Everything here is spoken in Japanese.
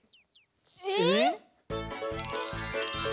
えっ！？